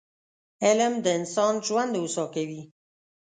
علم د انسان ژوند هوسا کوي